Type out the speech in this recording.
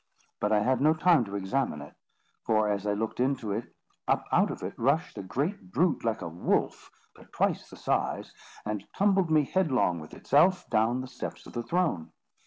But I had no time to examine it, for, as I looked into it, up out of it rushed a great brute, like a wolf, but twice the size, and tumbled me headlong with itself, down the steps of the throne.